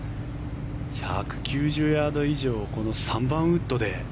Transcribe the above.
１９０ヤード以上をこの３番ウッドで。